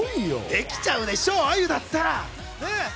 できちゃうでしょ、あゆだったら。